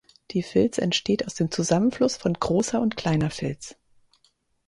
Die Vils entsteht aus dem Zusammenfluss von Großer und Kleiner Vils.